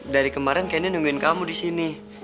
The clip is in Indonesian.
dari kemarin kayaknya nungguin kamu di sini